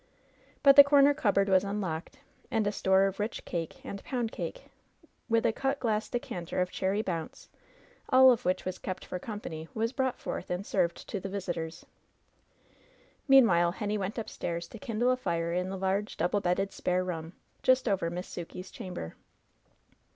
But the comer cupboard was unlocked, and a store of rich cake and pound cake, with a cut glass decanter of cherry bounce, all of which was kept for company, was brought forth and served to the visitors. Meanwhile, Henny went upstairs to kindle a fire in the large, double bedded spare room, just over Miss Sukey's chamber.